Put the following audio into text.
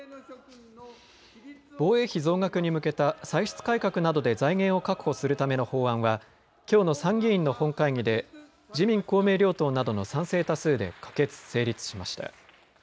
防衛費増額に向けた歳出改革などで財源を確保するための法案はきょうの参議院の本会議で自民公明両党などの賛成多数で可決・成立しました。